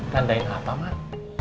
nandain apa mak